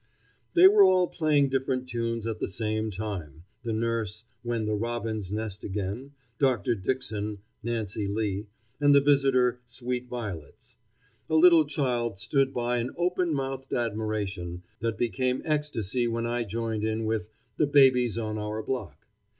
They were all playing different tunes at the same time, the nurse "When the Robins Nest Again," Dr. Dixon "Nancy Lee," and the visitor "Sweet Violets." A little child stood by in open mouthed admiration, that became ecstasy when I joined in with "The Babies on our Block."